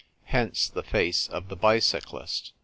Hence the face of the bicyclist.